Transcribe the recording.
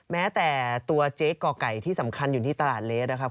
แม้แต่ตัวเจ๊ก่อไก่ที่สำคัญอยู่ที่ตลาดเลสนะครับ